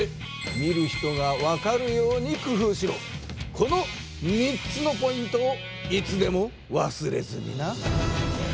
この３つのポイントをいつでもわすれずにな。